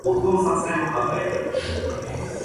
Bleicher persuaded Bardet to work for him.